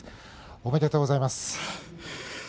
ありがとうございます。